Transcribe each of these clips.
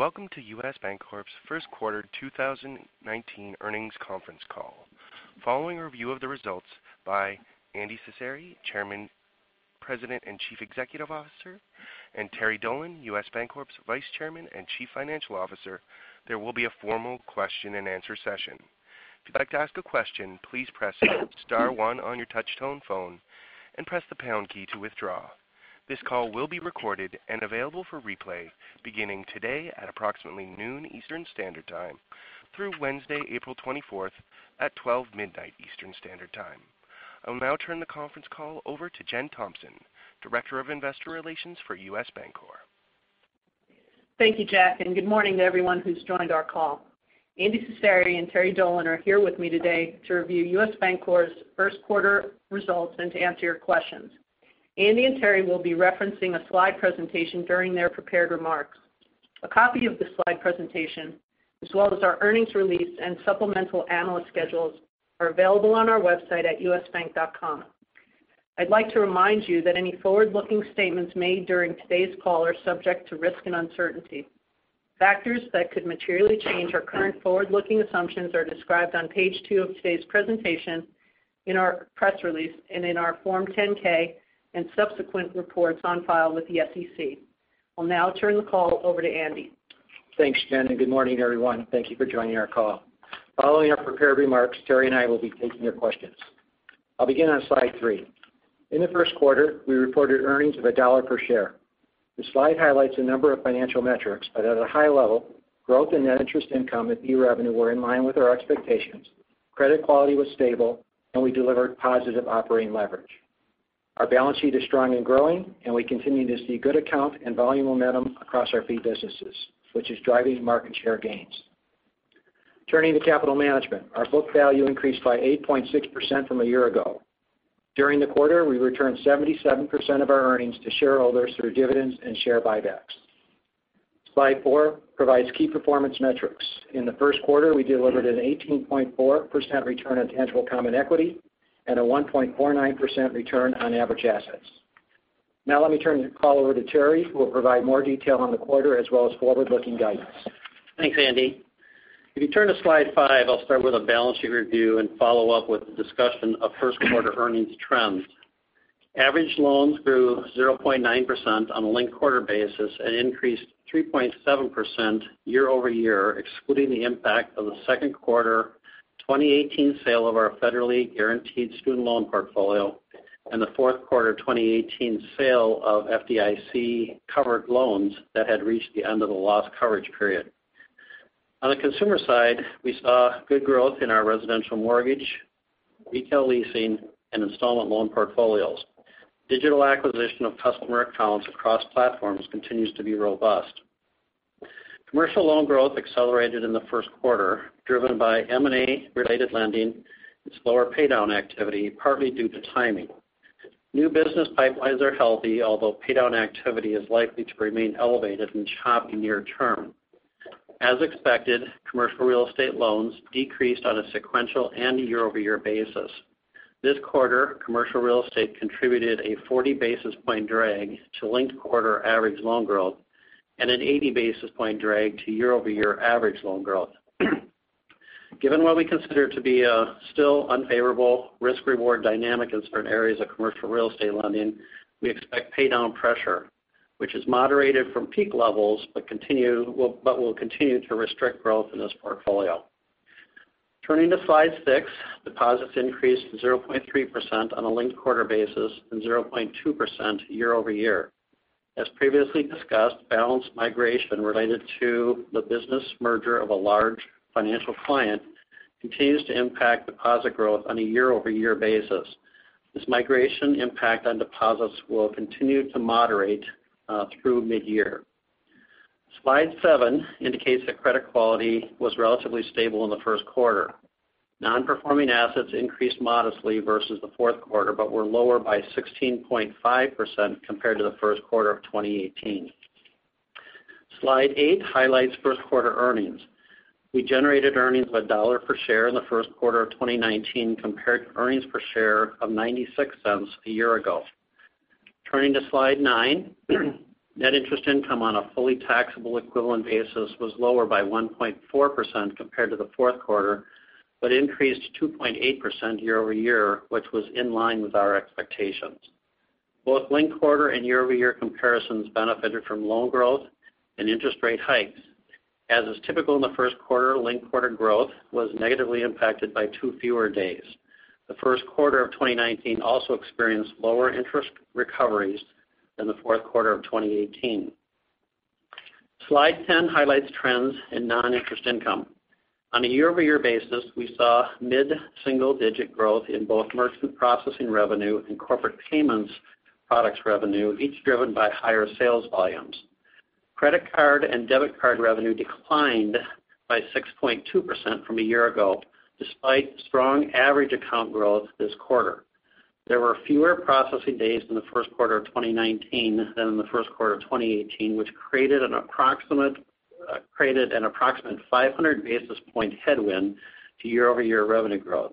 WelcomEntity correct true to audioe to U.S. Bancorp's first quarter 2019 earnings conference call. Following review of the results by Andy Cecere, chairman, president, and chief executive officer, and Terry Dolan, U.S. Bancorp's vice chairman and chief financial officer, there will be a formal question and answer session. If you'd like to ask a question, please press star one on your touch-tone phone and press the pound key to withdraw. This call will be recorded and available for replay beginning today at approximately noon Eastern Standard Time through Wednesday, April 24th at 12 midnight Eastern Standard Time. I will now turn the conference call over to Jennifer Thompson, Director of Investor Relations for U.S. Bancorp. Thank you, Jack, and good morning to everyone who's joined our call. Andy Cecere and Terry Dolan are here with me today to review U.S. Bancorp's first quarter results and to answer your questions. Andy and Terry will be referencing a slide presentation during their prepared remarks. A copy of the slide presentation, as well as our earnings release and supplemental analyst schedules are available on our website at usbank.com. I'd like to remind you that any forward-looking statements made during today's call are subject to risk and uncertainty. Factors that could materially change our current forward-looking assumptions are described on page two of today's presentation, in our press release, and in our Form 10-K and subsequent reports on file with the SEC. I'll now turn the call over to Andy. Thanks, Jen, and good morning, everyone. Thank you for joining our call. Following our prepared remarks, Terry and I will be taking your questions. I'll begin on slide three. In the first quarter, we reported earnings of $1 per share. The slide highlights a number of financial metrics, but at a high level, growth in net interest income and fee revenue were in line with our expectations. Credit quality was stable, and we delivered positive operating leverage. Our balance sheet is strong and growing, and we continue to see good account and volume momentum across our fee businesses, which is driving market share gains. Turning to capital management, our book value increased by 8.6% from a year ago. During the quarter, we returned 77% of our earnings to shareholders through dividends and share buybacks. Slide four provides key performance metrics. In the first quarter, we delivered an 18.4% return on tangible common equity and a 1.49% return on average assets. Now let me turn the call over to Terry, who will provide more detail on the quarter as well as forward-looking guidance. Thanks, Andy. If you turn to slide five, I'll start with a balance sheet review and follow up with a discussion of first quarter earnings trends. Average loans grew 0.9% on a linked-quarter basis and increased 3.7% year over year, excluding the impact of the second quarter 2018 sale of our federally guaranteed student loan portfolio and the fourth quarter 2018 sale of FDIC-covered loans that had reached the end of the loss coverage period. On the consumer side, we saw good growth in our residential mortgage, retail leasing, and installment loan portfolios. Digital acquisition of customer accounts across platforms continues to be robust. Commercial loan growth accelerated in the first quarter, driven by M&A-related lending and slower paydown activity, partly due to timing. New business pipelines are healthy, although paydown activity is likely to remain elevated and choppy near-term. As expected, commercial real estate loans decreased on a sequential and year-over-year basis. This quarter, commercial real estate contributed a 40-basis-point drag to linked quarter average loan growth and an 80-basis-point drag to year-over-year average loan growth. Given what we consider to be a still unfavorable risk-reward dynamic in certain areas of commercial real estate lending, we expect paydown pressure, which has moderated from peak levels but will continue to restrict growth in this portfolio. Turning to slide six, deposits increased 0.3% on a linked-quarter basis and 0.2% year over year. As previously discussed, balance migration related to the business merger of a large financial client continues to impact deposit growth on a year-over-year basis. This migration impact on deposits will continue to moderate through mid-year. Slide seven indicates that credit quality was relatively stable in the first quarter. Non-performing assets increased modestly versus the fourth quarter but were lower by 16.5% compared to the first quarter of 2018. Slide eight highlights first quarter earnings. We generated earnings of $1 per share in the first quarter of 2019 compared to earnings per share of $0.96 a year ago. Turning to slide nine, net interest income on a fully taxable equivalent basis was lower by 1.4% compared to the fourth quarter, but increased 2.8% year-over-year, which was in line with our expectations. Both linked quarter and year-over-year comparisons benefited from loan growth and interest rate hikes. As is typical in the first quarter, linked quarter growth was negatively impacted by two fewer days. The first quarter of 2019 also experienced lower interest recoveries than the fourth quarter of 2018. Slide 10 highlights trends in non-interest income. On a year-over-year basis, we saw mid-single-digit growth in both merchant processing revenue and corporate payments products revenue, each driven by higher sales volumes. Credit card and debit card revenue declined by 6.2% from a year ago, despite strong average account growth this quarter. There were fewer processing days in the first quarter of 2019 than in the first quarter of 2018, which created an approximate 500-basis-point headwind to year-over-year revenue growth.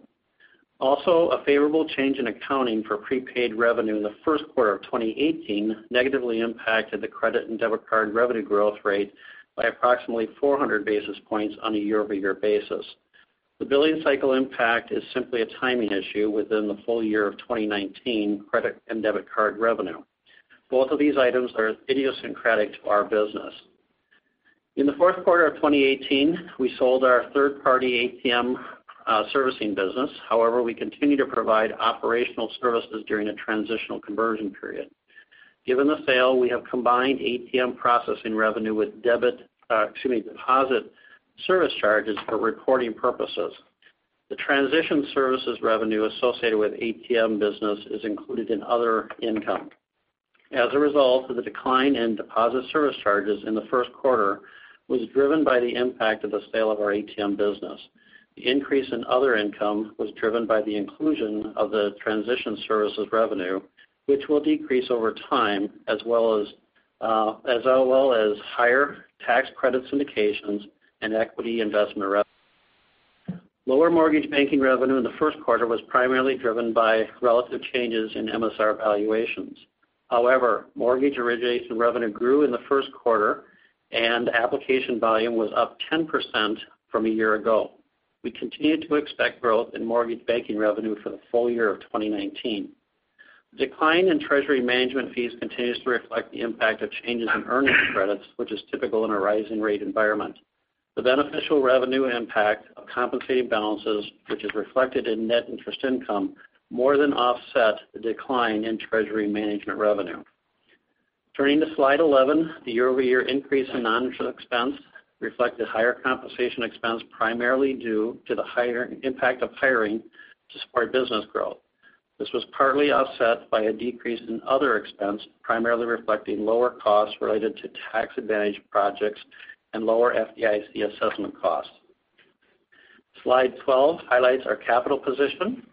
A favorable change in accounting for prepaid revenue in the first quarter of 2018 negatively impacted the credit and debit card revenue growth rate by approximately 400 basis points on a year-over-year basis. The billing cycle impact is simply a timing issue within the full year of 2019 credit and debit card revenue. Both of these items are idiosyncratic to our business. In the fourth quarter of 2018, we sold our third-party ATM servicing business. However, we continue to provide operational services during a transitional conversion period. Given the sale, we have combined ATM processing revenue with deposit service charges for reporting purposes. The transition services revenue associated with ATM business is included in other income. As a result of the decline in deposit service charges in the first quarter was driven by the impact of the sale of our ATM business. The increase in other income was driven by the inclusion of the transition services revenue, which will decrease over time, as well as higher tax credit syndications and equity investment revenue. Lower mortgage banking revenue in the first quarter was primarily driven by relative changes in MSR valuations. However, mortgage origination revenue grew in the first quarter, and application volume was up 10% from a year ago. We continue to expect growth in mortgage banking revenue for the full year of 2019. Decline in treasury management fees continues to reflect the impact of changes in earnings credits, which is typical in a rising rate environment. The beneficial revenue impact of compensating balances, which is reflected in net interest income, more than offset the decline in treasury management revenue. Turning to slide 11, the year-over-year increase in non-interest expense reflected higher compensation expense, primarily due to the impact of hiring to support business growth. This was partly offset by a decrease in other expense, primarily reflecting lower costs related to tax advantage projects and lower FDIC assessment costs. Slide 12 highlights our capital position.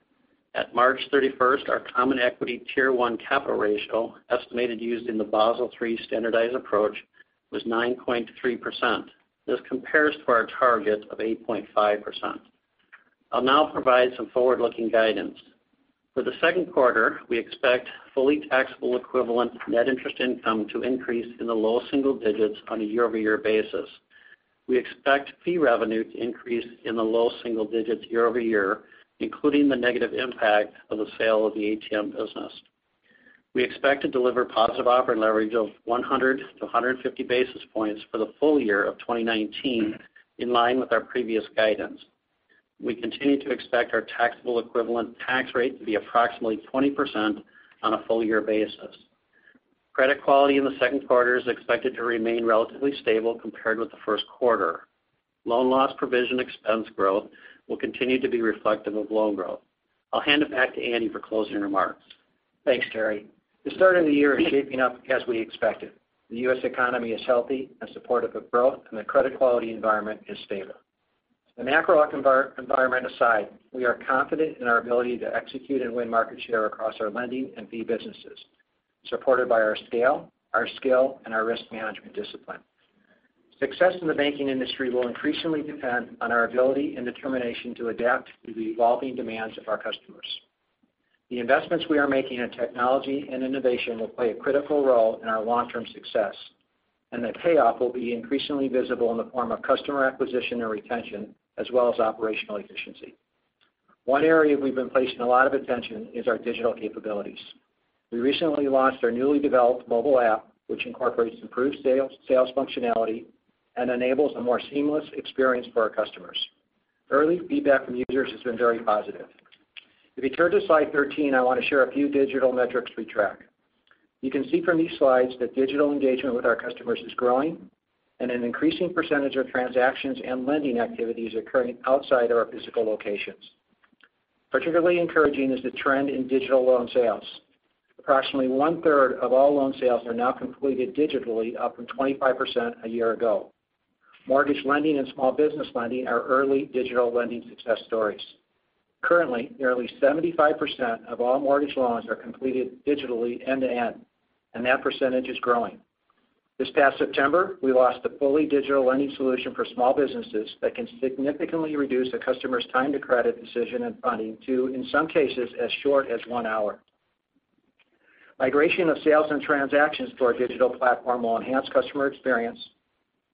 At March 31st, our Common Equity Tier 1 capital ratio estimated used in the Basel III standardized approach was 9.3%. This compares to our target of 8.5%. I'll now provide some forward-looking guidance. For the second quarter, we expect fully taxable equivalent net interest income to increase in the low single digits on a year-over-year basis. We expect fee revenue to increase in the low single digits year-over-year, including the negative impact of the sale of the ATM business. We expect to deliver positive operating leverage of 100 to 150 basis points for the full year of 2019, in line with our previous guidance. We continue to expect our taxable equivalent tax rate to be approximately 20% on a full-year basis. Credit quality in the second quarter is expected to remain relatively stable compared with the first quarter. Loan loss provision expense growth will continue to be reflective of loan growth. I'll hand it back to Andy for closing remarks. Thanks, Terry. The start of the year is shaping up as we expected. The U.S. economy is healthy and supportive of growth, and the credit quality environment is stable. The macro environment aside, we are confident in our ability to execute and win market share across our lending and fee businesses, supported by our scale, our skill, and our risk management discipline. Success in the banking industry will increasingly depend on our ability and determination to adapt to the evolving demands of our customers. The investments we are making in technology and innovation will play a critical role in our long-term success, and the payoff will be increasingly visible in the form of customer acquisition and retention, as well as operational efficiency. One area we've been placing a lot of attention is our digital capabilities. We recently launched our newly developed mobile app, which incorporates improved sales functionality and enables a more seamless experience for our customers. Early feedback from users has been very positive. If you turn to slide 13, I want to share a few digital metrics we track. You can see from these slides that digital engagement with our customers is growing, and an increasing percentage of transactions and lending activities occurring outside our physical locations. Particularly encouraging is the trend in digital loan sales. Approximately one-third of all loan sales are now completed digitally, up from 25% a year ago. Mortgage lending and small business lending are early digital lending success stories. Currently, nearly 75% of all mortgage loans are completed digitally end-to-end, and that percentage is growing. This past September, we launched a fully digital lending solution for small businesses that can significantly reduce a customer's time to credit decision and funding to, in some cases, as short as one hour. Migration of sales and transactions to our digital platform will enhance customer experience,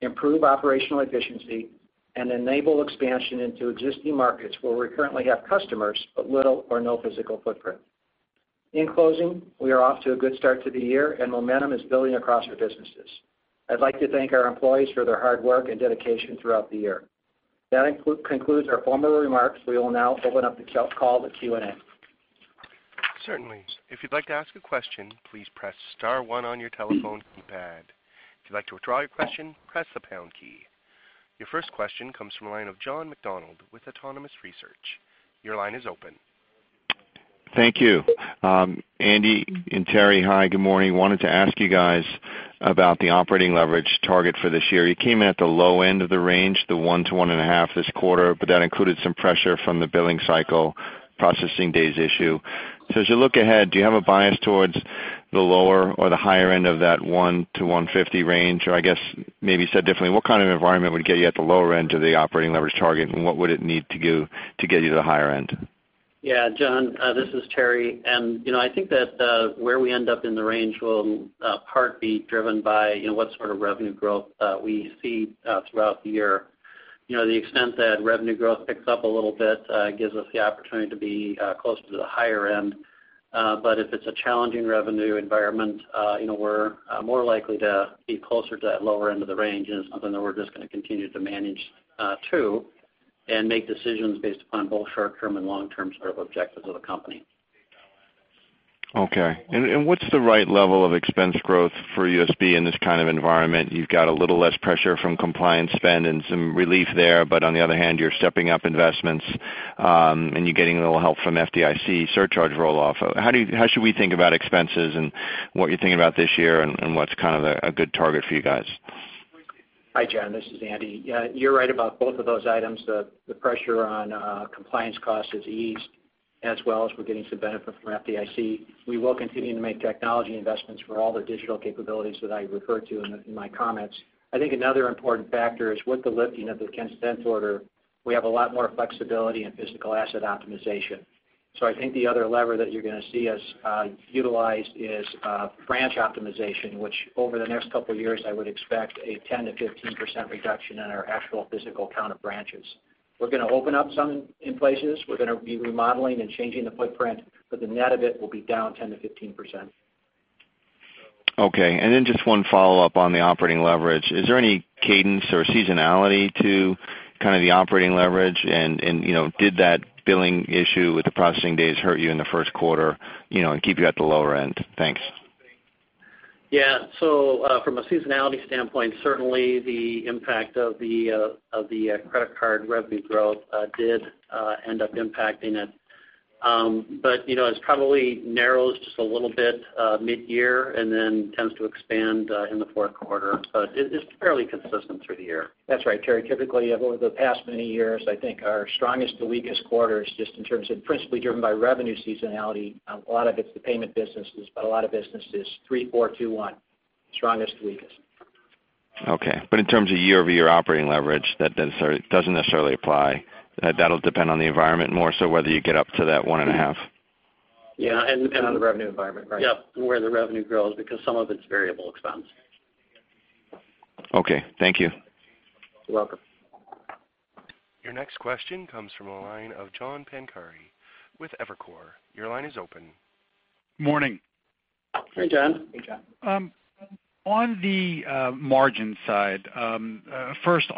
improve operational efficiency, and enable expansion into existing markets where we currently have customers but little or no physical footprint. In closing, we are off to a good start to the year, and momentum is building across our businesses. I'd like to thank our employees for their hard work and dedication throughout the year. That concludes our formal remarks. We will now open up the call to Q&A. Certainly. If you'd like to ask a question, please press star one on your telephone keypad. If you'd like to withdraw your question, press the # key. Your first question comes from the line of John McDonald with Autonomous Research. Your line is open. Thank you. Andy and Terry, hi, good morning. Wanted to ask you guys about the operating leverage target for this year. You came in at the low end of the range, the 1 to 1.5 this quarter, but that included some pressure from the billing cycle processing days issue. As you look ahead, do you have a bias towards the lower or the higher end of that 1 to 150 range? Or I guess maybe said differently, what kind of environment would get you at the lower end of the operating leverage target, and what would it need to do to get you to the higher end? Yeah, John, this is Terry. I think that where we end up in the range will in part be driven by what sort of revenue growth we see throughout the year. The extent that revenue growth picks up a little bit gives us the opportunity to be closer to the higher end. If it's a challenging revenue environment, we're more likely to be closer to that lower end of the range, it's something that we're just going to continue to manage to and make decisions based upon both short-term and long-term sort of objectives of the company. Okay. What's the right level of expense growth for USB in this kind of environment? You've got a little less pressure from compliance spend and some relief there, on the other hand, you're stepping up investments, you're getting a little help from FDIC surcharge roll-off. How should we think about expenses and what you're thinking about this year and what's kind of a good target for you guys? Hi, John, this is Andy. You're right about both of those items. The pressure on compliance costs has eased as well as we're getting some benefit from FDIC. We will continue to make technology investments for all the digital capabilities that I referred to in my comments. I think another important factor is with the lifting of the consent order, we have a lot more flexibility in physical asset optimization. I think the other lever that you're going to see us utilize is branch optimization, which over the next couple of years, I would expect a 10%-15% reduction in our actual physical count of branches. We're going to open up some in places. We're going to be remodeling and changing the footprint, the net of it will be down 10%-15%. Okay, then just one follow-up on the operating leverage. Is there any cadence or seasonality to kind of the operating leverage? Did that billing issue with the processing days hurt you in the first quarter and keep you at the lower end? Thanks. Yeah. From a seasonality standpoint, certainly the impact of the credit card revenue growth did end up impacting it. It probably narrows just a little bit mid-year and then tends to expand in the fourth quarter. It's fairly consistent through the year. That's right, Terry. Typically, over the past many years, I think our strongest to weakest quarter is just in terms of principally driven by revenue seasonality. A lot of it's the payment businesses, but a lot of business is three, four, two, one, strongest to weakest. Okay. In terms of year-over-year operating leverage, that doesn't necessarily apply. That'll depend on the environment more so whether you get up to that one and a half. Yeah. On the revenue environment, right? Yep, where the revenue grows because some of it's variable expense. Okay. Thank you. You're welcome. Your next question comes from the line of John Pancari with Evercore. Your line is open. Morning. Hey, John. Hey, John. On the margin side. First,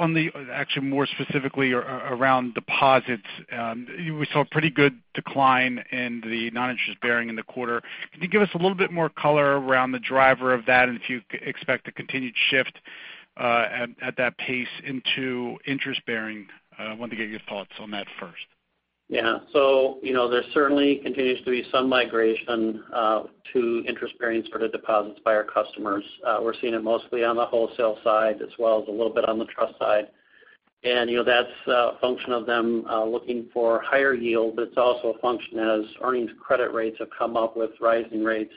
actually more specifically around deposits. We saw a pretty good decline in the non-interest bearing in the quarter. Can you give us a little bit more color around the driver of that and if you expect a continued shift at that pace into interest-bearing? I wanted to get your thoughts on that first. Yeah. There certainly continues to be some migration to interest-bearing sort of deposits by our customers. We're seeing it mostly on the wholesale side as well as a little bit on the trust side. That's a function of them looking for higher yield, but it's also a function as earnings credit rates have come up with rising rates,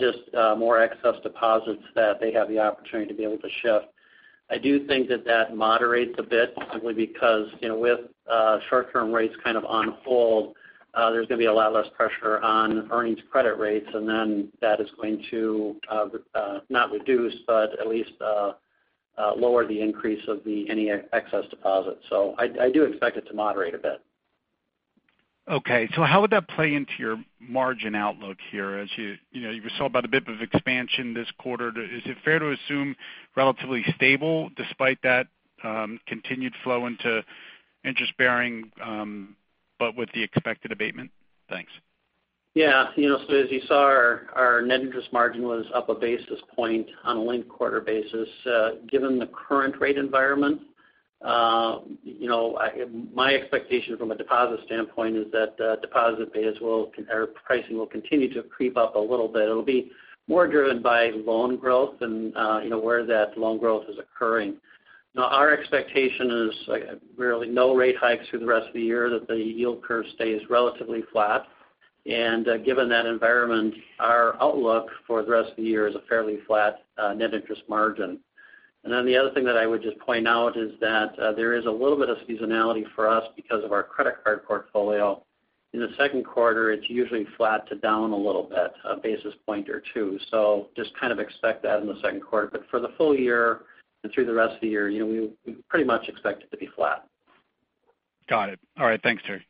just more excess deposits that they have the opportunity to be able to shift. I do think that that moderates a bit simply because with short-term rates kind of on hold, there's going to be a lot less pressure on earnings credit rates, and then that is going to, not reduce, but at least lower the increase of any excess deposits. I do expect it to moderate a bit. Okay. How would that play into your margin outlook here? As you saw about a bit of expansion this quarter, is it fair to assume relatively stable despite that continued flow into interest-bearing but with the expected abatement? Thanks. Yeah. As you saw, our net interest margin was up one basis point on a linked quarter basis. Given the current rate environment, my expectation from a deposit standpoint is that pricing will continue to creep up a little bit. It'll be more driven by loan growth and where that loan growth is occurring. Our expectation is really no rate hikes through the rest of the year, that the yield curve stays relatively flat. Given that environment, our outlook for the rest of the year is a fairly flat net interest margin. The other thing that I would just point out is that there is a little bit of seasonality for us because of our credit card portfolio. In the second quarter, it's usually flat to down a little bit, one basis point or two. Just kind of expect that in the second quarter. For the full year and through the rest of the year, we pretty much expect it to be flat. Got it. All right. Thanks, Terry.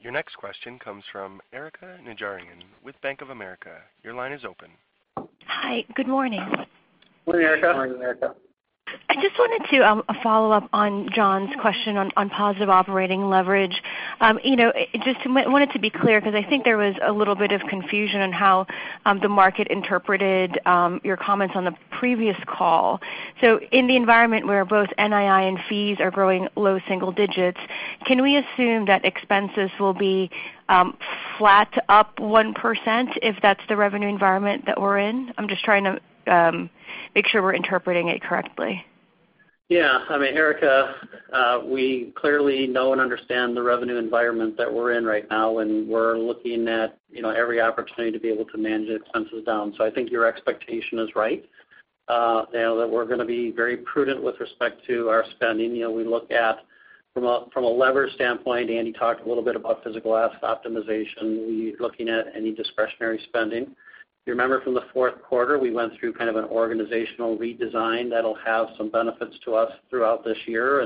Your next question comes from Erika Najarian with Bank of America. Your line is open. Hi. Good morning. Morning, Erika. Morning, Erika. I just wanted to follow up on John's question on positive operating leverage. Just wanted to be clear because I think there was a little bit of confusion on how the market interpreted your comments on the previous call. In the environment where both NII and fees are growing low single digits, can we assume that expenses will be flat to up 1% if that's the revenue environment that we're in? I'm just trying to make sure we're interpreting it correctly. Yeah. Erika, we clearly know and understand the revenue environment that we're in right now, and we're looking at every opportunity to be able to manage expenses down. I think your expectation is right, that we're going to be very prudent with respect to our spending. We look at, from a lever standpoint, Andy talked a little bit about physical asset optimization. We're looking at any discretionary spending. If you remember from the fourth quarter, we went through kind of an organizational redesign that'll have some benefits to us throughout this year.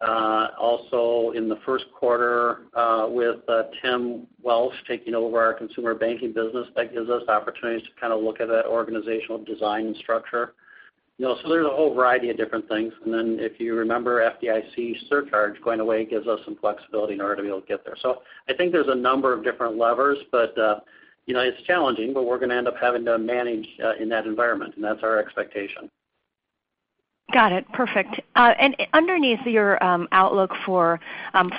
Also in the first quarter, with Tim Welsh taking over our consumer banking business, that gives us opportunities to kind of look at that organizational design and structure. There's a whole variety of different things. If you remember, FDIC surcharge going away gives us some flexibility in order to be able to get there. I think there's a number of different levers, but it's challenging, but we're going to end up having to manage in that environment, and that's our expectation. Got it. Perfect. Underneath your outlook for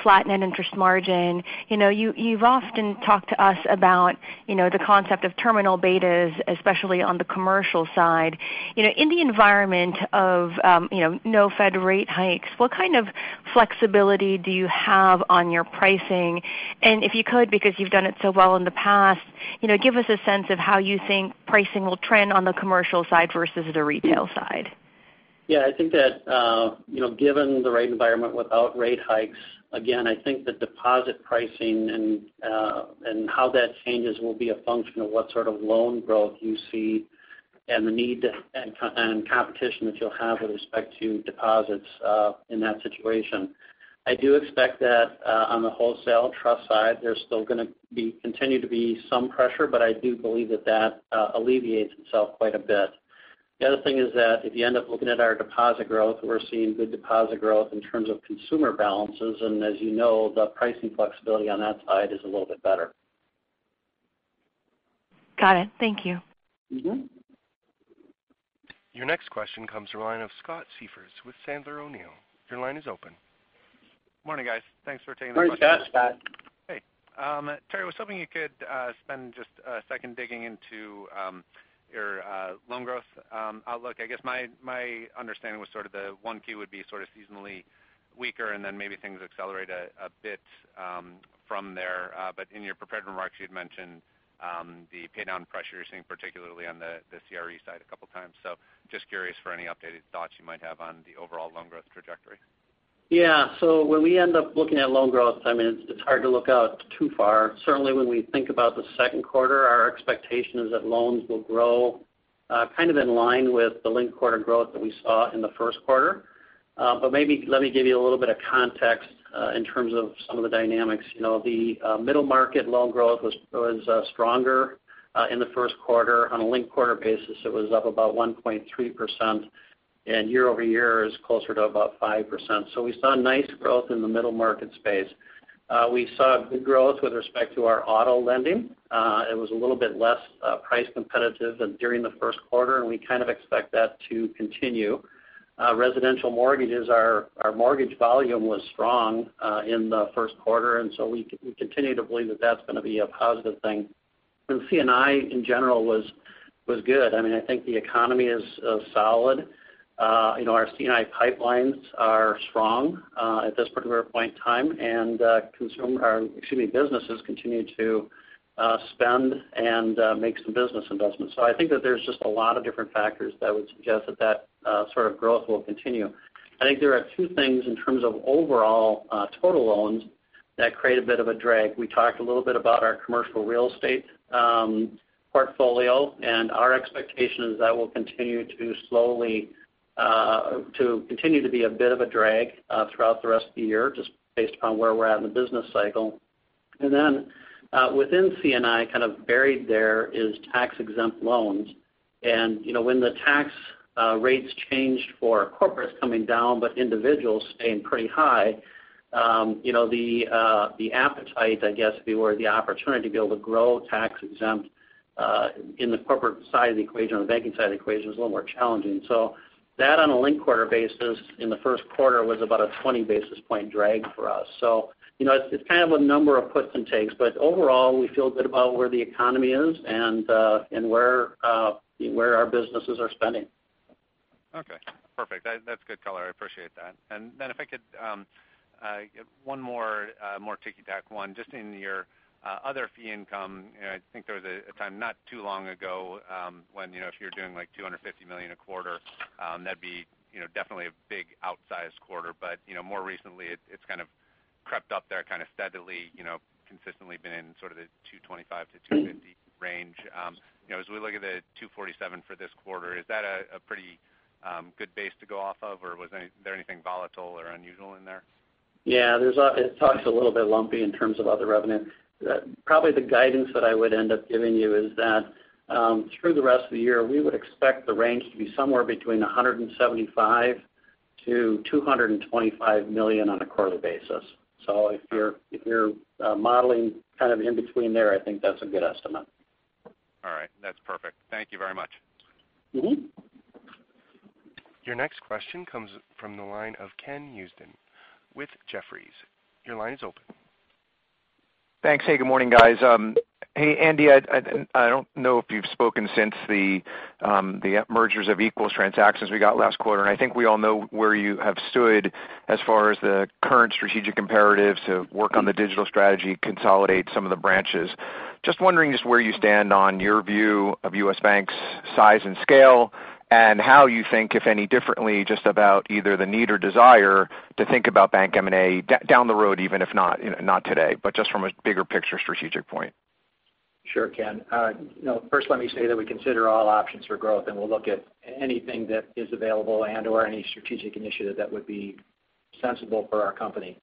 flattening interest margin, you've often talked to us about the concept of terminal betas, especially on the commercial side. In the environment of no Fed rate hikes, what kind of flexibility do you have on your pricing? If you could, because you've done it so well in the past, give us a sense of how you think pricing will trend on the commercial side versus the retail side. I think that given the right environment without rate hikes, again, I think the deposit pricing and how that changes will be a function of what sort of loan growth you see and the need and competition that you'll have with respect to deposits in that situation. I do expect that on the wholesale trust side, there's still going to continue to be some pressure, but I do believe that that alleviates itself quite a bit. The other thing is that if you end up looking at our deposit growth, we're seeing good deposit growth in terms of consumer balances. As you know, the pricing flexibility on that side is a little bit better. Got it. Thank you. Your next question comes from the line of Scott Siefers with Sandler O'Neill. Your line is open. Morning, guys. Thanks for taking my call. Morning, Scott. Hey. Terry, I was hoping you could spend just a second digging into your loan growth outlook. I guess my understanding was sort of the 1Q would be sort of seasonally weaker and then maybe things accelerate a bit from there. In your prepared remarks, you had mentioned the pay-down pressure you're seeing, particularly on the CRE side a couple of times. Just curious for any updated thoughts you might have on the overall loan growth trajectory. Yeah. When we end up looking at loan growth, it's hard to look out too far. Certainly when we think about the second quarter, our expectation is that loans will grow kind of in line with the linked-quarter growth that we saw in the first quarter. Maybe let me give you a little bit of context in terms of some of the dynamics. The middle market loan growth was stronger in the first quarter. On a linked-quarter basis, it was up about 1.3%, and year-over-year is closer to about 5%. We saw nice growth in the middle market space. We saw good growth with respect to our auto lending. It was a little bit less price competitive than during the first quarter, and we kind of expect that to continue. Residential mortgages, our mortgage volume was strong in the first quarter, we continue to believe that that's going to be a positive thing. C&I, in general, was good. I think the economy is solid. Our C&I pipelines are strong at this particular point in time, and businesses continue to spend and make some business investments. I think that there's just a lot of different factors that would suggest that that sort of growth will continue. I think there are two things in terms of overall total loans that create a bit of a drag. We talked a little bit about our commercial real estate portfolio, and our expectation is that will continue to be a bit of a drag throughout the rest of the year, just based upon where we're at in the business cycle. Within C&I, kind of buried there is tax-exempt loans. When the tax rates changed for corporates coming down but individuals staying pretty high, the appetite, I guess, or the opportunity to be able to grow tax-exempt in the corporate side of the equation, on the banking side of the equation, was a little more challenging. That on a linked-quarter basis in the first quarter was about a 20-basis-point drag for us. It's kind of a number of puts and takes. Overall, we feel good about where the economy is and where our businesses are spending. Okay, perfect. That's good color. I appreciate that. Then if I could, one more ticky-tack one. Just in your other fee income, I think there was a time not too long ago when if you're doing like $250 million a quarter, that'd be definitely a big outsized quarter. More recently, it's kind of crept up there kind of steadily, consistently been in sort of the $225 million-$250 million range. As we look at the $247 million for this quarter, is that a pretty good base to go off of? Or was there anything volatile or unusual in there? Yeah, it's always a little bit lumpy in terms of other revenue. Probably the guidance that I would end up giving you is that through the rest of the year, we would expect the range to be somewhere between $175 million-$225 million on a quarterly basis. If you're modeling kind of in between there, I think that's a good estimate. All right. That's perfect. Thank you very much. Your next question comes from the line of Ken Usdin with Jefferies. Your line is open. Thanks. Hey, good morning, guys. Hey, Andy, I don't know if you've spoken since the mergers of equals transactions we got last quarter. I think we all know where you have stood as far as the current strategic imperatives to work on the digital strategy, consolidate some of the branches. Just wondering just where you stand on your view of U.S. Bank's size and scale, and how you think, if any differently, just about either the need or desire to think about bank M&A down the road, even if not today, but just from a bigger picture strategic point. Sure, Ken. First let me say that we consider all options for growth. We'll look at anything that is available and/or any strategic initiative that would be sensible for our company.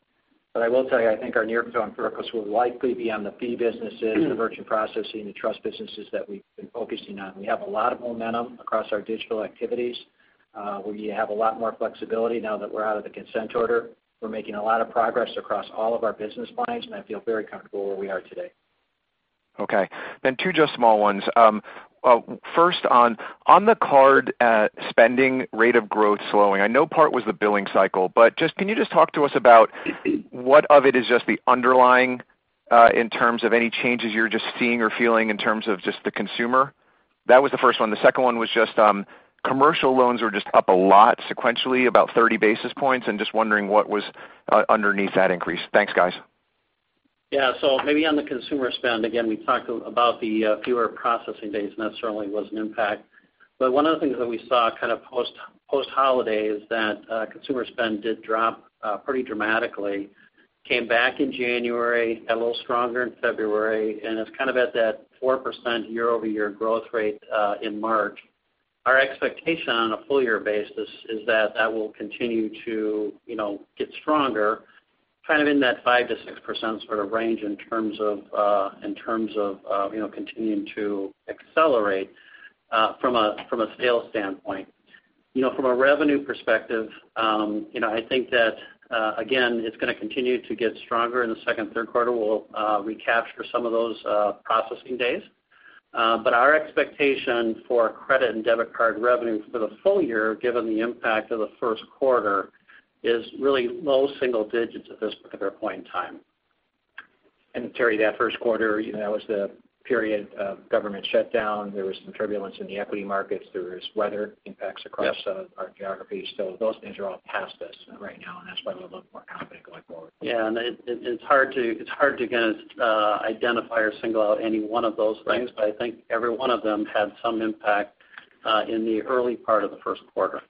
I will tell you, I think our near-term focus will likely be on the fee businesses, the merchant processing, the trust businesses that we've been focusing on. We have a lot of momentum across our digital activities. We have a lot more flexibility now that we're out of the consent order. We're making a lot of progress across all of our business lines. I feel very comfortable where we are today. Okay. Two just small ones. First on the card spending rate of growth slowing. I know part was the billing cycle, can you just talk to us about what of it is just the underlying, in terms of any changes you're just seeing or feeling in terms of just the consumer? That was the first one. The second one was just commercial loans were just up a lot sequentially, about 30 basis points. Just wondering what was underneath that increase. Thanks, guys. Yeah. Maybe on the consumer spend, again, we talked about the fewer processing days, and that certainly was an impact. But one of the things that we saw kind of post-holiday is that consumer spend did drop pretty dramatically. Came back in January, got a little stronger in February, and it's kind of at that 4% year-over-year growth rate in March. Our expectation on a full year basis is that that will continue to get stronger kind of in that 5%-6% sort of range in terms of continuing to accelerate from a sales standpoint. From a revenue perspective, I think that, again, it's going to continue to get stronger in the second and third quarter. We'll recapture some of those processing days. Our expectation for credit and debit card revenue for the full year, given the impact of the first quarter, is really low single digits at this particular point in time. Terry, that first quarter was the period of government shutdown. There was some turbulence in the equity markets. There was weather impacts across our geography. Those things are all past us right now, and that's why we're a little more confident going forward. Yeah, it's hard to kind of identify or single out any one of those things. Right. I think every one of them had some impact in the early part of the first quarter.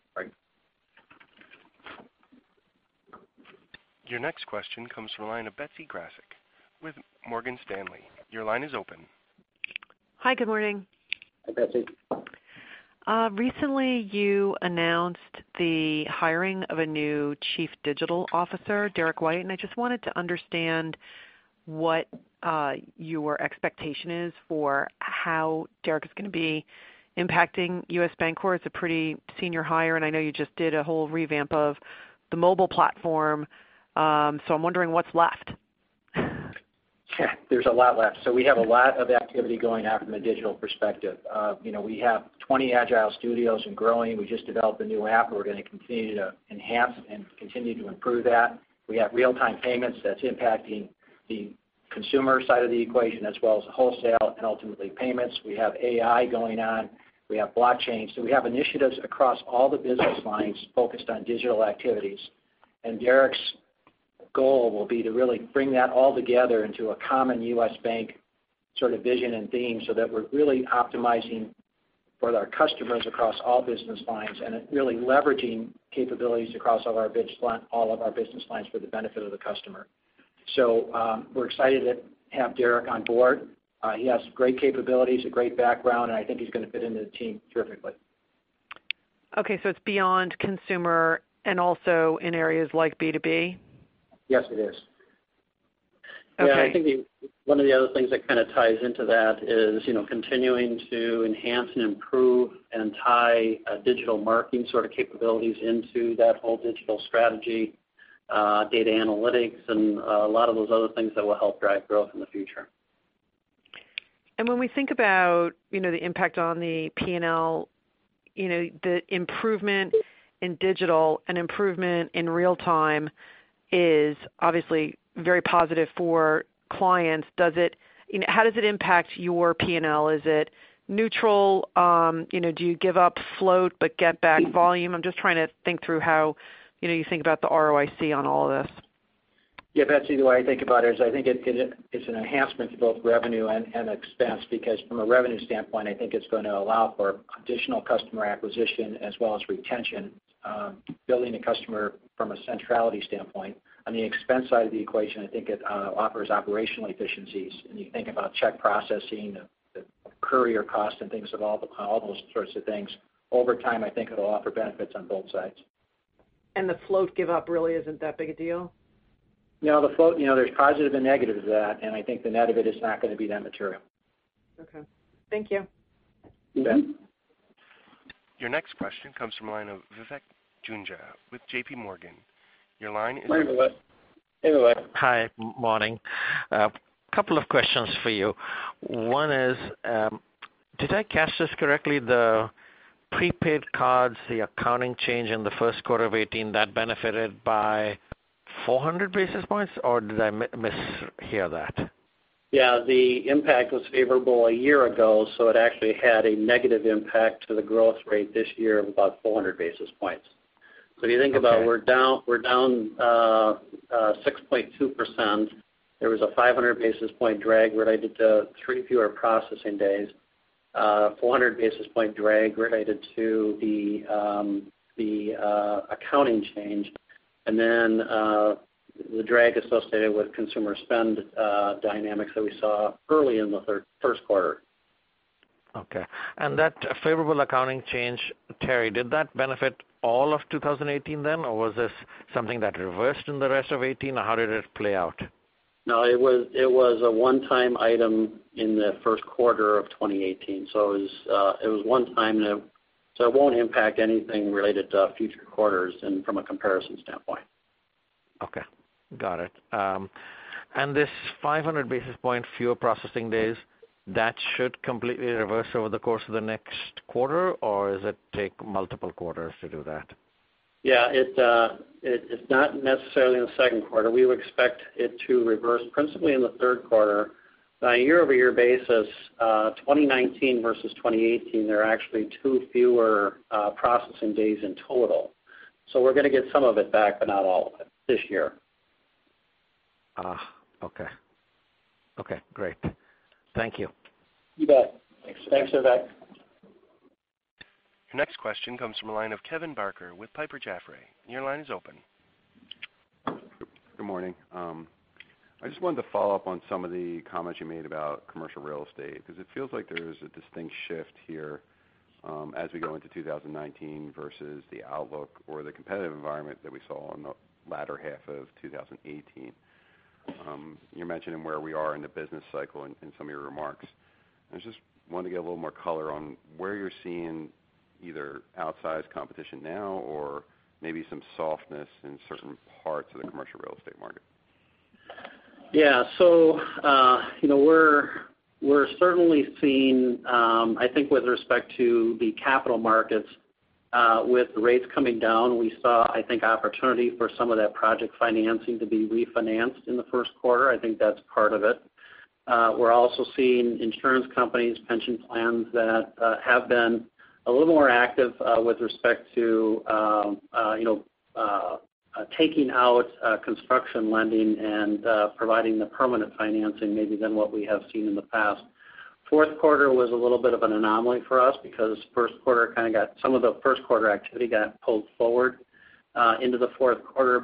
Right. Your next question comes from the line of Betsy Graseck with Morgan Stanley. Your line is open. Hi, good morning. Hi, Betsy. Recently, you announced the hiring of a new chief digital officer, Derek White. I just wanted to understand what your expectation is for how Derek is going to be impacting U.S. Bancorp. It's a pretty senior hire, and I know you just did a whole revamp of the mobile platform. I'm wondering what's left. There's a lot left. We have a lot of activity going on from a digital perspective. We have 20 agile studios and growing. We just developed a new app, and we're going to continue to enhance and continue to improve that. We have real-time payments that's impacting the consumer side of the equation as well as the wholesale and ultimately payments. We have AI going on. We have blockchain. We have initiatives across all the business lines focused on digital activities. Derek's goal will be to really bring that all together into a common U.S. Bank sort of vision and theme so that we're really optimizing for our customers across all business lines and really leveraging capabilities across all of our business lines for the benefit of the customer. We're excited to have Derek on board. He has great capabilities, a great background. I think he's going to fit into the team terrifically. It's beyond consumer and also in areas like B2B? Yes, it is. Okay. I think one of the other things that kind of ties into that is continuing to enhance and improve and tie digital marketing sort of capabilities into that whole digital strategy, data analytics, and a lot of those other things that will help drive growth in the future. When we think about the impact on the P&L, the improvement in digital and improvement in real time is obviously very positive for clients. How does it impact your P&L? Is it neutral? Do you give up float but get back volume? I'm just trying to think through how you think about the ROIC on all of this. Yeah, Betsy, the way I think about it is I think it's an enhancement to both revenue and expense because from a revenue standpoint, I think it's going to allow for additional customer acquisition as well as retention, building a customer from a centrality standpoint. On the expense side of the equation, I think it offers operational efficiencies. When you think about check processing, the courier cost and all those sorts of things, over time, I think it'll offer benefits on both sides. The float give up really isn't that big a deal? No, the float, there's positives and negatives of that, I think the net of it is not going to be that material. Okay. Thank you. You bet. Your next question comes from the line of Vivek Juneja with JPMorgan. Your line is. Hey, Vivek. Hi, morning. A couple of questions for you. One is. Did I catch this correctly? The prepaid cards, the accounting change in the first quarter of 2018, that benefited by 400 basis points, or did I mishear that? Yeah, the impact was favorable a year ago, so it actually had a negative impact to the growth rate this year of about 400 basis points. Okay. If you think about it, we're down 6.2%. There was a 500 basis point drag related to three fewer processing days, 400 basis point drag related to the accounting change, and then the drag associated with consumer spend dynamics that we saw early in the first quarter. Okay. That favorable accounting change, Terry, did that benefit all of 2018 then? Was this something that reversed in the rest of 2018? How did it play out? No, it was a one-time item in the first quarter of 2018. It was one time, so it won't impact anything related to future quarters then from a comparison standpoint. Okay. Got it. This 500 basis point fewer processing days, that should completely reverse over the course of the next quarter, or does it take multiple quarters to do that? Yeah. It's not necessarily in the second quarter. We would expect it to reverse principally in the third quarter. On a year-over-year basis, 2019 versus 2018, there are actually two fewer processing days in total. We're going to get some of it back, but not all of it this year. Okay. Okay, great. Thank you. You bet. Thanks. Thanks, Vivek. Your next question comes from the line of Kevin Barker with Piper Jaffray. Your line is open. Good morning. I just wanted to follow up on some of the comments you made about commercial real estate, because it feels like there's a distinct shift here as we go into 2019 versus the outlook or the competitive environment that we saw on the latter half of 2018. You're mentioning where we are in the business cycle in some of your remarks. I just wanted to get a little more color on where you're seeing either outsized competition now or maybe some softness in certain parts of the commercial real estate market. Yeah. We're certainly seeing, I think with respect to the capital markets with rates coming down, we saw opportunity for some of that project financing to be refinanced in the first quarter. I think that's part of it. We're also seeing insurance companies, pension plans that have been a little more active with respect to taking out construction lending and providing the permanent financing maybe than what we have seen in the past. Fourth quarter was a little bit of an anomaly for us because some of the first quarter activity got pulled forward into the fourth quarter.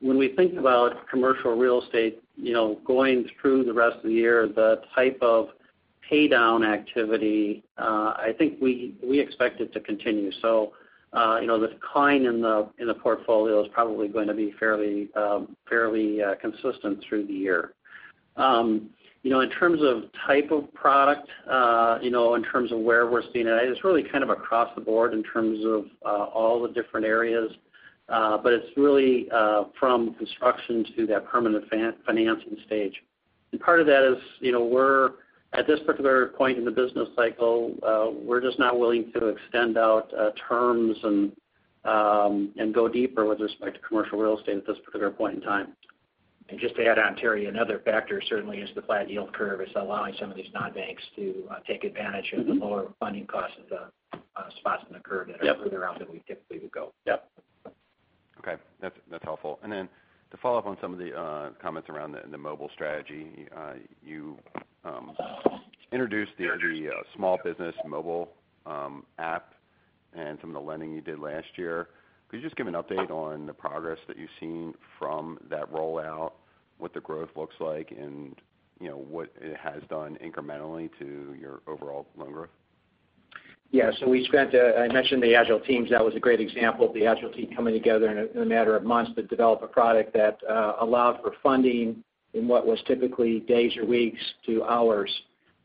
When we think about commercial real estate going through the rest of the year, the type of paydown activity, I think we expect it to continue. The decline in the portfolio is probably going to be fairly consistent through the year. In terms of type of product, in terms of where we're seeing it's really kind of across the board in terms of all the different areas. It's really from construction to that permanent financing stage. Part of that is we're at this particular point in the business cycle, we're just not willing to extend out terms and go deeper with respect to commercial real estate at this particular point in time. Just to add on, Terry, another factor certainly is the flat yield curve is allowing some of these non-banks to take advantage of the lower funding costs of the spots in the curve that are further out than we typically would go. Yep. Okay. That's helpful. To follow up on some of the comments around the mobile strategy, you introduced the small business mobile app and some of the lending you did last year. Could you just give an update on the progress that you've seen from that rollout, what the growth looks like, and what it has done incrementally to your overall loan growth? Yeah. I mentioned the agile teams. That was a great example of the agile team coming together in a matter of months to develop a product that allowed for funding in what was typically days or weeks to hours.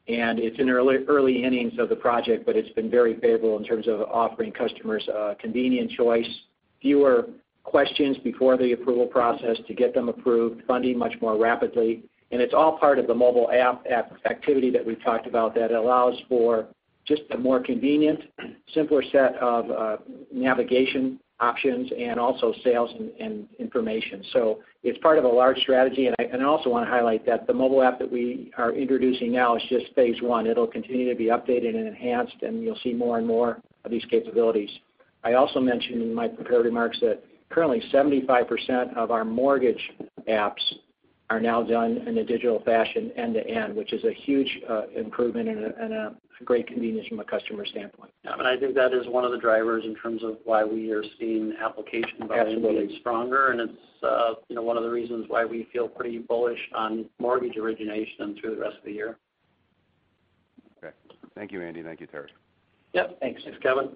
It's in early innings of the project, but it's been very favorable in terms of offering customers a convenient choice, fewer questions before the approval process to get them approved, funding much more rapidly. It's all part of the mobile app activity that we've talked about that allows for just a more convenient, simpler set of navigation options and also sales and information. It's part of a large strategy. I also want to highlight that the mobile app that we are introducing now is just phase one. It'll continue to be updated and enhanced, and you'll see more and more of these capabilities. I also mentioned in my prepared remarks that currently 75% of our mortgage apps are now done in a digital fashion end to end, which is a huge improvement and a great convenience from a customer standpoint. Yeah. I think that is one of the drivers in terms of why we are seeing application volume getting stronger. Absolutely. It's one of the reasons why we feel pretty bullish on mortgage origination through the rest of the year. Okay. Thank you, Andy. Thank you, Terry. Yep. Thanks. Thanks, Kevin.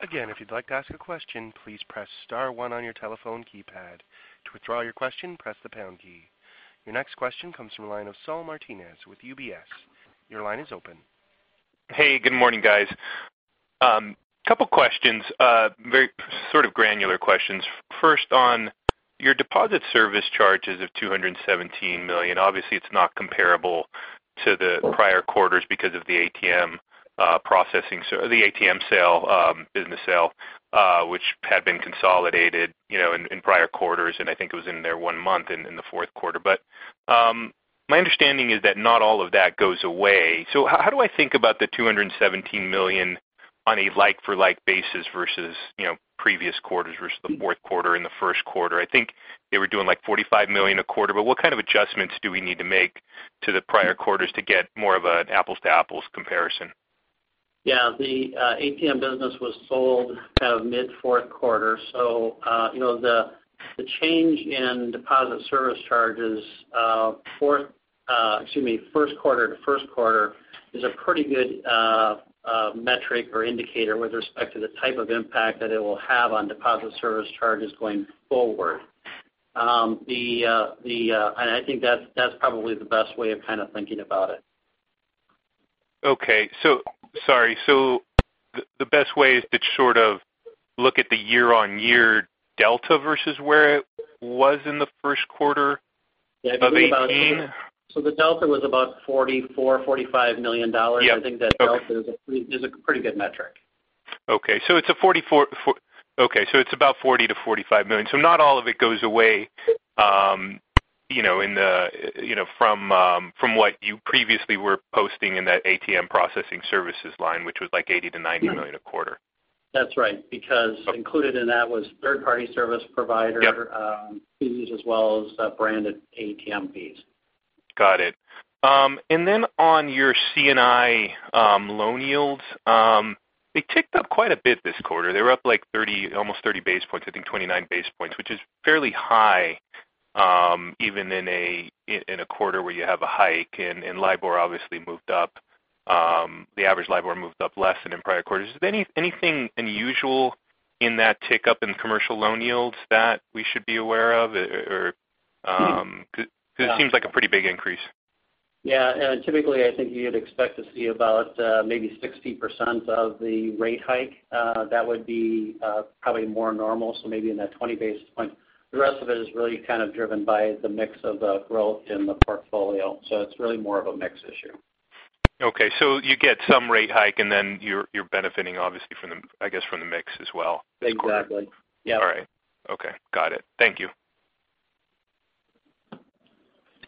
Again, if you'd like to ask a question, please press *1 on your telephone keypad. To withdraw your question, press the # key. Your next question comes from the line of Saul Martinez with UBS. Your line is open. Hey, good morning, guys. A couple questions, very sort of granular questions. First, on your deposit service charges of $217 million, obviously it's not comparable to the prior quarters because of the ATM sale, business sale which had been consolidated in prior quarters, and I think it was in there one month in the fourth quarter. My understanding is that not all of that goes away. How do I think about the $217 million on a like-for-like basis versus previous quarters versus the fourth quarter and the first quarter? I think they were doing like $45 million a quarter. What kind of adjustments do we need to make to the prior quarters to get more of an apples to apples comparison? Yeah. The ATM business was sold kind of mid fourth quarter. The change in deposit service charges first quarter to first quarter is a pretty good metric or indicator with respect to the type of impact that it will have on deposit service charges going forward. I think that's probably the best way of kind of thinking about it. Okay. Sorry. The best way is to sort of look at the year-on-year delta versus where it was in the first quarter of 2018? The delta was about $44 million, $45 million. Yeah. I think that delta is a pretty good metric. Okay. It's about $40 million-$45 million. Not all of it goes away from what you previously were posting in that ATM processing services line, which was like $80 million-$90 million a quarter. That's right, because included in that was third party service provider- Yep fees as well as branded ATM fees. Got it. On your C&I loan yields, they ticked up quite a bit this quarter. They were up like almost 30 basis points, I think 29 basis points, which is fairly high even in a quarter where you have a hike. LIBOR obviously moved up. The average LIBOR moved up less than in prior quarters. Is there anything unusual in that tick up in commercial loan yields that we should be aware of? Because it seems like a pretty big increase. Yeah. Typically, I think you'd expect to see about maybe 60% of the rate hike. That would be probably more normal. Maybe in that 20 basis point. The rest of it is really kind of driven by the mix of the growth in the portfolio. It's really more of a mix issue. Okay. You get some rate hike and then you're benefiting obviously, I guess, from the mix as well this quarter. Exactly. Yep. All right. Okay. Got it. Thank you.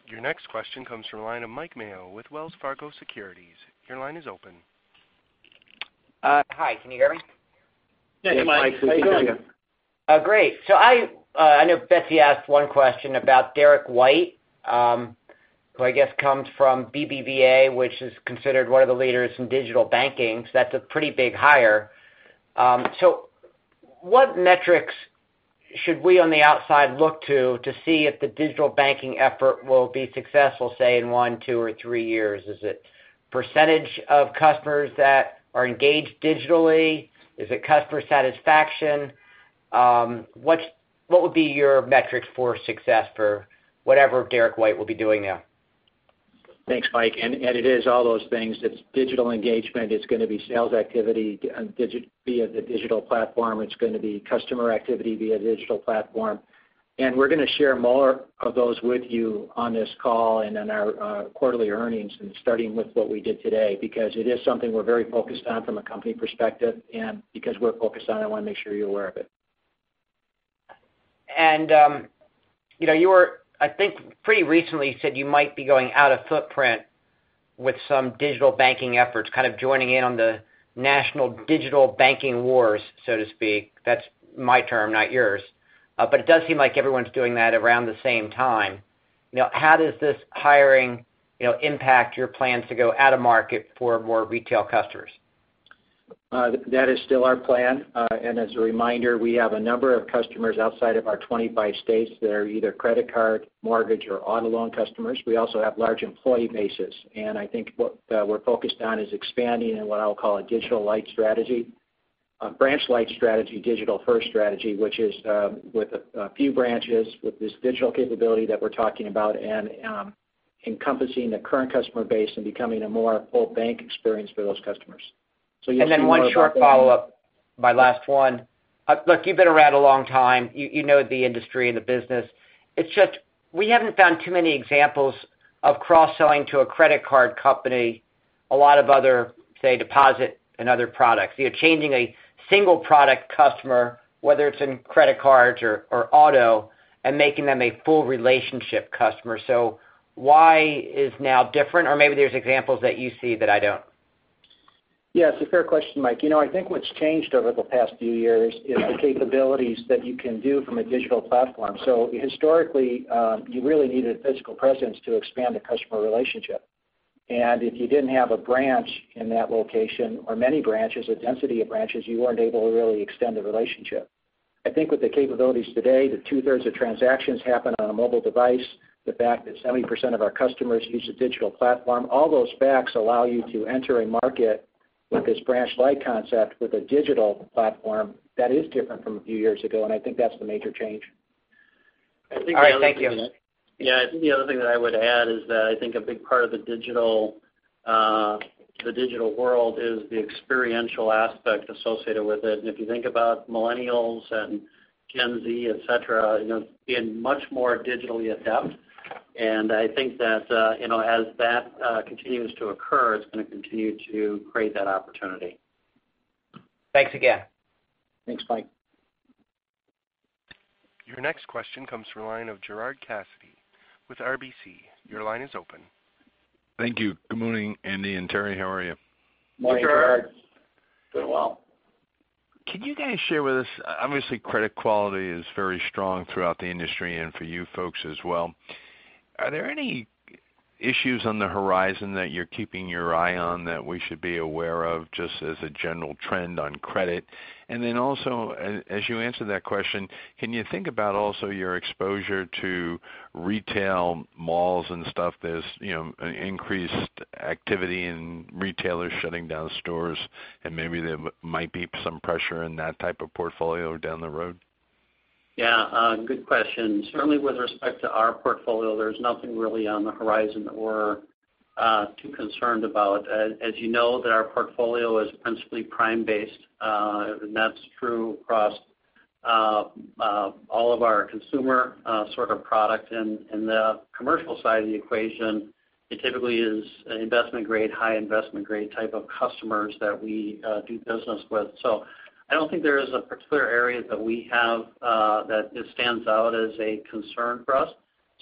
Your next question comes from the line of Mike Mayo with Wells Fargo Securities. Your line is open. Hi, can you hear me? Yeah, Mike. How you doing? Great. I know Betsy asked one question about Derek White, who I guess comes from BBVA, which is considered one of the leaders in digital banking. That's a pretty big hire. What metrics should we on the outside look to see if the digital banking effort will be successful, say in one, two, or three years? Is it % of customers that are engaged digitally? Is it customer satisfaction? What would be your metrics for success for whatever Derek White will be doing there? Thanks, Mike. It is all those things. It's digital engagement. It's going to be sales activity via the digital platform. It's going to be customer activity via digital platform. We're going to share more of those with you on this call and in our quarterly earnings, and starting with what we did today, because it is something we're very focused on from a company perspective. Because we're focused on it, I want to make sure you're aware of it. You were, I think, pretty recently said you might be going out of footprint with some digital banking efforts, kind of joining in on the national digital banking wars, so to speak. That's my term, not yours. It does seem like everyone's doing that around the same time. How does this hiring impact your plans to go out of market for more retail customers? That is still our plan. As a reminder, we have a number of customers outside of our 25 states that are either credit card, mortgage, or auto loan customers. We also have large employee bases. I think what we're focused on is expanding in what I'll call a digital light strategy, a branch light strategy, digital first strategy, which is with a few branches with this digital capability that we're talking about and encompassing the current customer base and becoming a more full bank experience for those customers. You'll see more about that. one short follow-up, my last one. Look, you've been around a long time. You know the industry and the business. It's just we haven't found too many examples of cross-selling to a credit card company a lot of other, say, deposit and other products. You're changing a single product customer, whether it's in credit cards or auto, and making them a full relationship customer. Why is now different? Or maybe there's examples that you see that I don't. Yeah, it's a fair question, Mike. I think what's changed over the past few years is the capabilities that you can do from a digital platform. Historically, you really needed physical presence to expand the customer relationship. If you didn't have a branch in that location or many branches, a density of branches, you weren't able to really extend the relationship. I think with the capabilities today, the two-thirds of transactions happen on a mobile device. The fact that 70% of our customers use a digital platform, all those facts allow you to enter a market with this branch light concept with a digital platform that is different from a few years ago. I think that's the major change. I think the other thing that I would add is that I think a big part of the digital world is the experiential aspect associated with it. If you think about millennials and Gen Z, et cetera, being much more digitally adept, and I think that as that continues to occur, it's going to continue to create that opportunity. Thanks again. Thanks, Mike. Your next question comes from the line of Gerard Cassidy with RBC. Your line is open. Thank you. Good morning, Andy and Terry. How are you? Morning. Gerard. Doing well. Can you guys share with us, obviously credit quality is very strong throughout the industry and for you folks as well. Are there any issues on the horizon that you're keeping your eye on that we should be aware of just as a general trend on credit? Also, as you answer that question, can you think about also your exposure to retail malls and stuff? There's increased activity in retailers shutting down stores, and maybe there might be some pressure in that type of portfolio down the road. Yeah. Good question. Certainly with respect to our portfolio, there's nothing really on the horizon that we're too concerned about. As you know, that our portfolio is principally prime-based. That's true across all of our consumer sort of product. In the commercial side of the equation, it typically is an investment-grade, high investment-grade type of customers that we do business with. I don't think there is a particular area that we have that just stands out as a concern for us.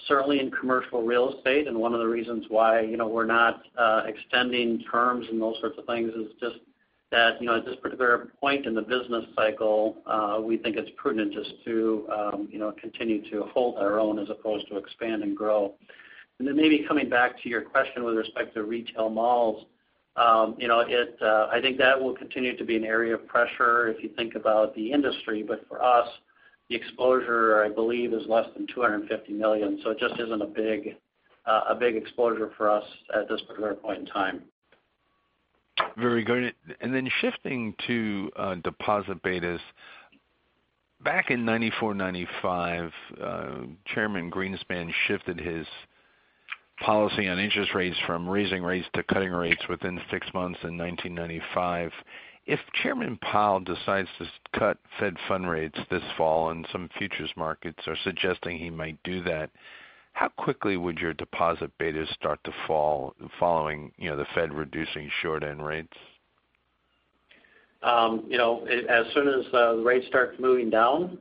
Certainly in commercial real estate, and one of the reasons why we're not extending terms and those sorts of things is just that at this particular point in the business cycle, we think it's prudent just to continue to hold our own as opposed to expand and grow. Maybe coming back to your question with respect to retail malls. I think that will continue to be an area of pressure if you think about the industry. For us, the exposure, I believe, is less than $250 million. It just isn't a big exposure for us at this particular point in time. Very good. Shifting to deposit betas. Back in 1994, 1995, Chairman Greenspan shifted his policy on interest rates from raising rates to cutting rates within six months in 1995. If Chairman Powell decides to cut Fed funds rates this fall, and some futures markets are suggesting he might do that, how quickly would your deposit betas start to fall following the Fed reducing short-end rates? As soon as the rates start moving down,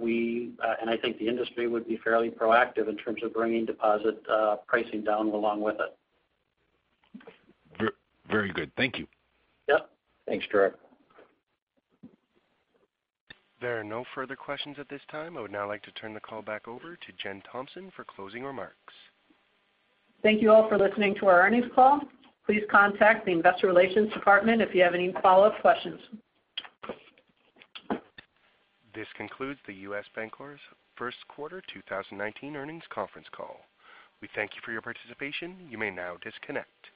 we, and I think the industry would be fairly proactive in terms of bringing deposit pricing down along with it. Very good. Thank you. Yep. Thanks, Gerard. There are no further questions at this time. I would now like to turn the call back over to Jennifer Thompson for closing remarks. Thank you all for listening to our earnings call. Please contact the investor relations department if you have any follow-up questions. This concludes the U.S. Bancorp's first quarter 2019 earnings conference call. We thank you for your participation. You may now disconnect.